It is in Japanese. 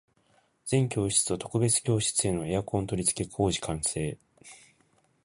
全教室と特別教室へのエアコン取り付け工事完成